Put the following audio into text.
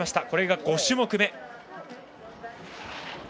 これが５種目め。